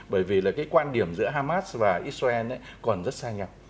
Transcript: bởi vì là cái quan điểm giữa hamas và israel còn rất xa nhau